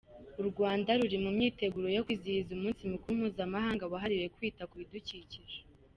U Rwanda ruri mu myiteguro yo kwizihiza umunsi mukuru mpuzamahanga wahariwe kwita ku bidukikije.